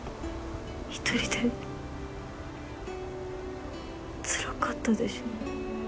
一人でつらかったでしょ？